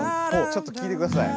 ちょっと聴いてください。